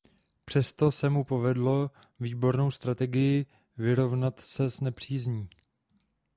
Přesto se mu povedlo výbornou strategií vyrovnat se s nepřízní.